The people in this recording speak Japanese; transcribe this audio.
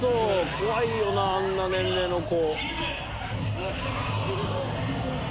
怖いよなあんな年齢の子。